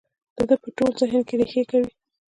د ده په ټول ذهن کې رېښې کوي.